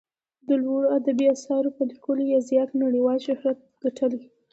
د لوړو ادبي اثارو په لیکلو یې زیات نړیوال شهرت ګټلی.